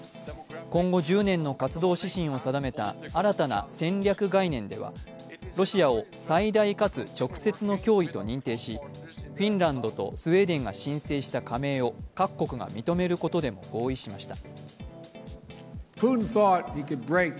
今後１０年の活動指針を定めた新たな戦略概念ではロシアを最大かつ直接の脅威と認定しフィンランドとスウェーデンが申請した加盟を各国が認めることでも合意しました。